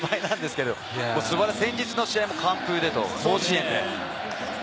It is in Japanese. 先日の試合も完封で、甲子園でしたよね。